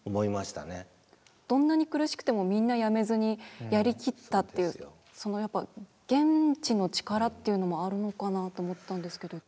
どんなに苦しくてもみんなやめずにやりきったというそのやっぱ現地の力というのもあるのかなと思ったんですけど。